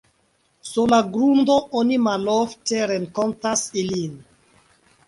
Sur la grundo oni malofte renkontas ilin.